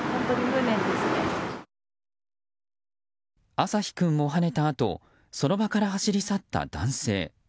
朝陽君をはねたあとその場から走り去った男性。